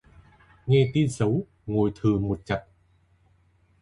Nghe tin xấu, ngồi thừ một chặp